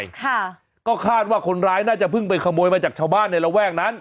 ค่ะก็คาดว่าคนร้ายน่าจะเพิ่งไปขโมยมาจากชาวบ้านในระแวกนั้น